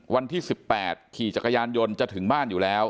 ๕๓๐วันที่๑๘ขี่จักรยานยนต์ถึงบ้าน